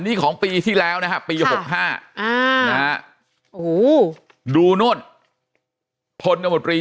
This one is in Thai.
นี้ของปีที่แล้วนะครับปีหกห้าอ่าโหดูโน่นพลกมตรี